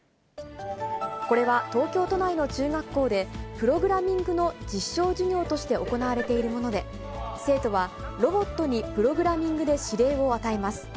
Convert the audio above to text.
これは東京都内の中学校で、プログラミングの実証授業として行われているもので、生徒は、ロボットにプログラミングで指令を与えます。